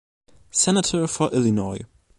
Senator for Illinois.